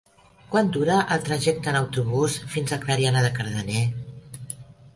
Quant dura el trajecte en autobús fins a Clariana de Cardener?